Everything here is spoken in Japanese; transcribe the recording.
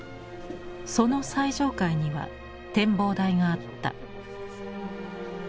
その最上階には展望台があった。